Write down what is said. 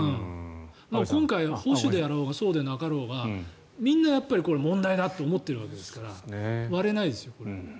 今回、保守であろうがそうでなかろうがみんな問題だって思っているわけですから割れないですよ。